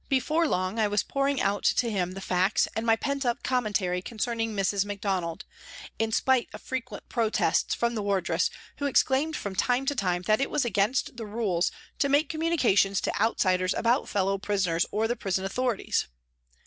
Before long I was pouring out to him the facts and my pent up com mentary concerning Mrs. Macdonald, hi spite of frequent protests from the wardress, who exclaimed from time to time that it was against the rules to make communications to outsiders about fellow prisoners or the prison authorities.